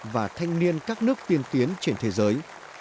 và thanh niên các nước tiên tiến trên thế giới